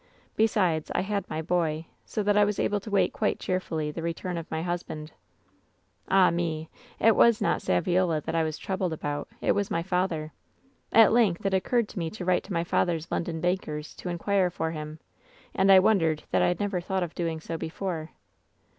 Besides, I had my boy, so that I was able to wait quite cheerfully the return of my husband. "Ah me ! It was not Saviola that I was troubled about. It was my father. At length it occurred to me to write WHEN SHADOWS DIE 177! to my father's London bankers to inquire for him. And I wondered that I had never thought of doing so before.